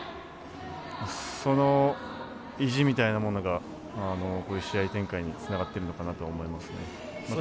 その意地みたいなものがこういう試合展開につながっているのかなと思います。